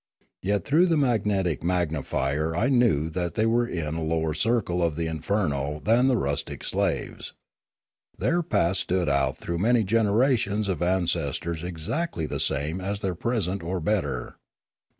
Yet through the magnetic magnifier I knew that they were in a lower circle of the inferno than the rustic slaves. Their past stood out through many generations of ancestors exactly the same as their present or better.